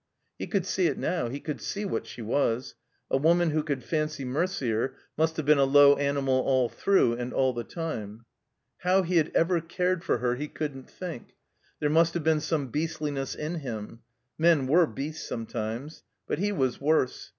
He could see it now. He could see what she was. A woman who could fancy Mercier must have been a low animal all through and all the time. How he had ever cared for her he couldn't think. There must have been some beastliness in him. Men were beasts sometimes. But he was worse.